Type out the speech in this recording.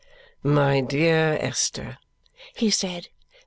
"My dear Esther!" he said.